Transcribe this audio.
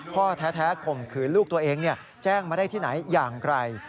พ่อแท้ข่มขืนลูกตัวเองแจ้งมาได้ที่ไหนอย่างไร